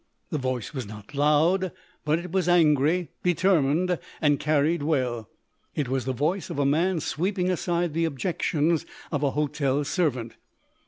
The voice was not loud, but it was angry, determined, and carried well. It was the voice of a man sweeping aside the objections of a hotel servant.